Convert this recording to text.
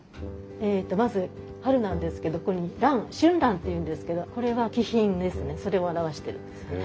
えっとまず春なんですけどここに蘭春蘭っていうんですけどこれは気品ですねそれを表してるんですよね。